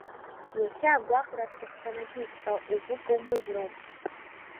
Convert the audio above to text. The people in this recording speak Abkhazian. Иахьа агәаҟра сыхҭанакит ҳәа угәы коумыжьроуп.